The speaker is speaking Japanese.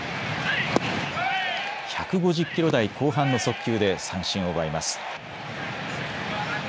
１５０キロ台後半の速球で三振を奪います。